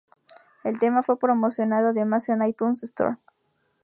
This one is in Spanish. El tema fue promocionado además en iTunes Store.